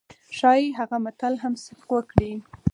ښايي هغه متل هم صدق وکړي.